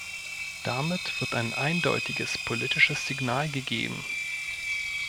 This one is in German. Damit wird ein eindeutiges politisches Signal gegeben.